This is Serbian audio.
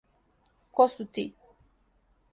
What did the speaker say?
Ко су ти?